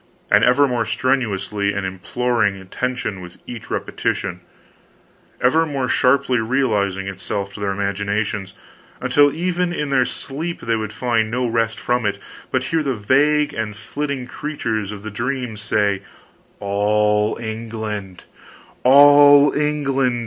_ and ever more strenuously imploring attention with each repetition, ever more sharply realizing itself to their imaginations, until even in their sleep they would find no rest from it, but hear the vague and flitting creatures of the dreams say, All England ALL ENGLAND!